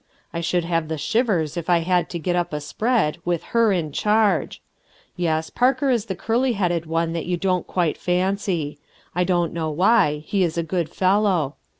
I should have the shivers if I had to get up a spread, with her in charge. Yes, Parker is the curly headed one that you don't quite fancy. I don't know why, he is a good fellow.